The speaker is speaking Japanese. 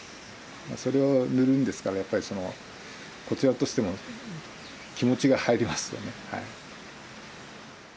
それを塗るんですからやっぱりそのこちらとしても気持ちが入りますよね。